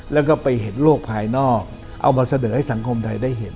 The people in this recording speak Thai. แล้วก็ไปเห็นโลกภายนอกเอามาเสนอให้สังคมไทยได้เห็น